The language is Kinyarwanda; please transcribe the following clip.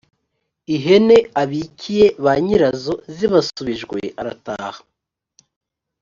ihene abikiye ba nyirazo zibasubijwe arataha.